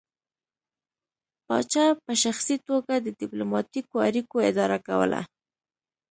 پاچا په شخصي توګه د ډیپلوماتیکو اړیکو اداره کوله